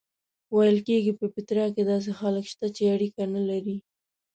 ویل کېږي په پیترا کې داسې خلک شته چې اړیکه نه لري.